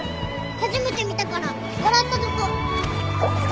初めて見たから笑ったとこ。